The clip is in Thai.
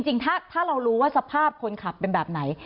จริงถ้าเรารู้ว่าสภาพคนขับเป็นแบบไหน